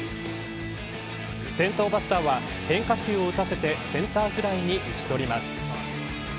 先頭バッターは変化球を打たせてセンターフライに打ち取ります。